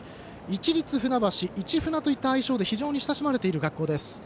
市船という愛称で非常に親しまれている学校です。